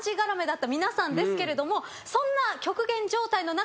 だった皆さんですけれどもそんな。